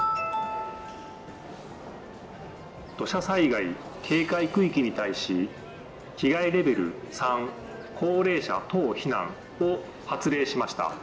土砂災害警戒区域に対し、被害レベル３高齢者等避難を発令しました。